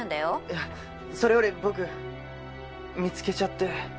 いやそれより僕見つけちゃって。